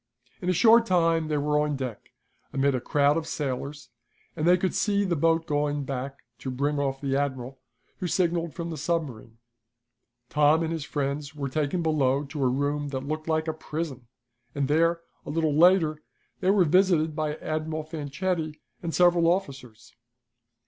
In a short time they were on deck, amid a crowd of sailors, and they could see the boat going back to bring off the admiral, who signaled from the submarine. Tom and his friends were taken below to a room that looked like a prison, and there, a little later, they were visited by Admiral Fanchetti and several officers.